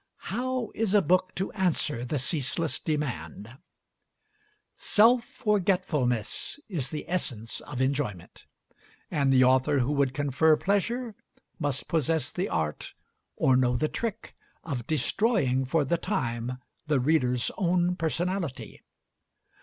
How is a book to answer the ceaseless demand? Self forgetfulness is the essence of enjoyment, and the author who would confer pleasure must possess the art, or know the trick, of destroying for the time the reader's own personality.